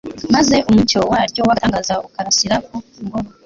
maze umucyo waryo w'agatangaza ukarasira ku ngoro